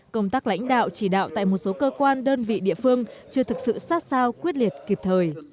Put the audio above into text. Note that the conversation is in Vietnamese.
công tác lãnh đạo chỉ đạo tại một số cơ quan đơn vị địa phương chưa thực sự sát sao quyết liệt kịp thời